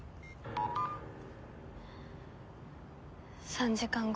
３時間後。